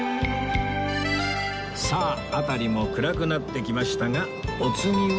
さあ辺りも暗くなってきましたがお次は